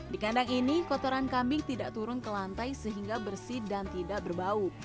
di kandang ini kotoran kambing tidak turun ke lantai sehingga bersih dan tidak berbau